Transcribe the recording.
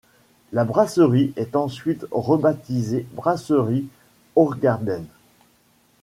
La brasserie est ensuite rebaptisée brasserie Hoegaarden.